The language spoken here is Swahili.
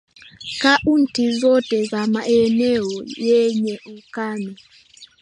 Kaunti zote za maeneo yenye ukame